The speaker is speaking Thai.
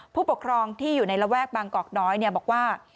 ผู้ปกครองที่อยู่ในระแวกบางกอกน้อยบอกว่า